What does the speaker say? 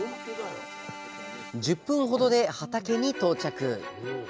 １０分ほどで畑に到着。